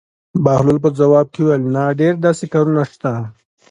بهلول په ځواب کې وویل: نه ډېر داسې کارونه شته.